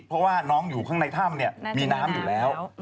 เพราะว่าน้องอยู่ข้างในถ้ำเนี่ยมีน้ำอยู่แล้ว